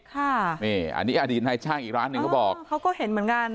ค่ะนี่อันนี้อดีตนายช่างอีกร้านหนึ่งเขาบอกเขาก็เห็นเหมือนกัน